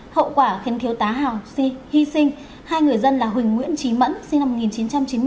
hậu quả khiến thiếu tá hào sinh hy sinh hai người dân là huỳnh nguyễn trí mẫn sinh năm một nghìn chín trăm chín mươi